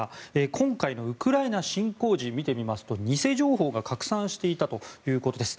今回のウクライナ侵攻時見てみますと偽情報が拡散していたということです。